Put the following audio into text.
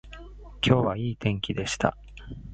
今日はいい天気でした